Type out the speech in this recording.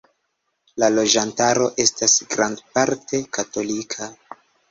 La loĝantaro esta grandparte katolika.